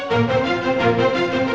udah ngeri ngeri aja